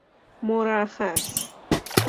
مرخص